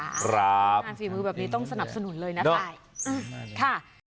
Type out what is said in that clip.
งานฝีมือแบบนี้ต้องสนับสนุนเลยนะคะ